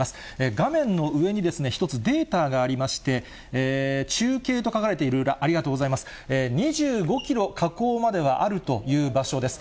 画面の上に１つ、データがありまして、中継と書かれている、ありがとうございます、２５キロ河口まではあるという場所です。